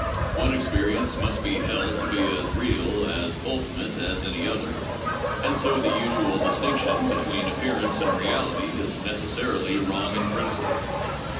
One experience must be held to be as real, as ultimate, as any other, and so the usual distinction between appear ance and reality is necessarily wrong in principle.